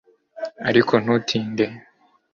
ariko ntutinde